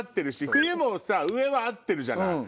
冬も上は合ってるじゃない。